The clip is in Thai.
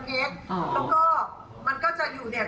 แล้วก็มันก็จะอยู่เนี่ย